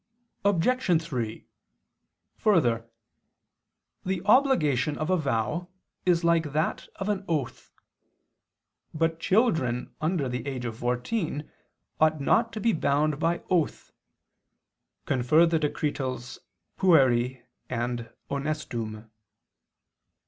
Obj. 3: Further, the obligation of a vow is like that of an oath. But children under the age of fourteen ought not to be bound by oath (Decret. XXII, qu. v, cap. Pueri and cap. Honestum.).